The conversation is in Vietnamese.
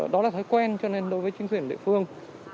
đó là thói quen cho nên đối với chính quyền địa phương